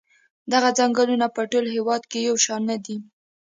دغه څنګلونه په ټول هېواد کې یو شان نه دي.